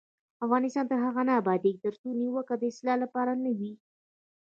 افغانستان تر هغو نه ابادیږي، ترڅو نیوکه د اصلاح لپاره نه وي.